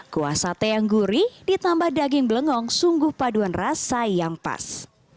kuah sate yang gurih ditambah daging belengong sungguh paduan rasa yang pas